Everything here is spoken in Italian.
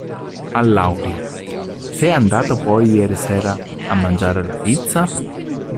A Lauria "Sei andato poi ieri sera a mangiare la pizza?